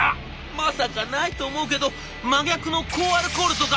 「まさかないと思うけど真逆の高アルコールとか？」。